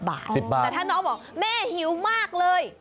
๑๐บาทอะแม่แต่ถ้าน้องบอกแม่หิวมากเลย